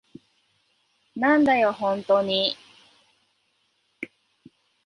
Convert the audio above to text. なんだよ、ホントに。